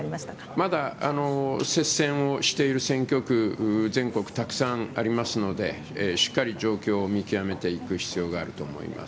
まだ、接戦をしている選挙区、全国、たくさんありますので、しっかり状況を見極めていく必要があると思います。